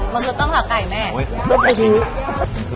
มันคือต้มขาก่ายแม่